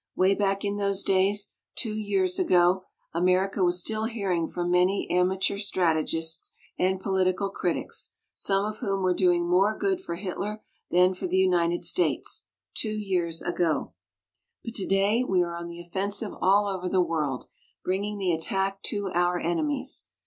Way back in those days, two year ago, America was still hearing from many "amateur strategists" and political critics, some of whom were doing more good for Hitler than for the United States two years ago. But today we are on the offensive all over the world bringing the attack to our enemies.